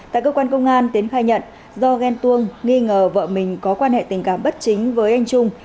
tại cơ quan công an tiến khai nhận do ghen tuông nghi ngờ vợ mình có quan hệ tình cảm bất chính với anh trung